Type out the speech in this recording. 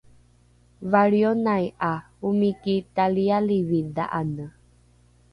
valrionai ’a omiki talialivi dha’ane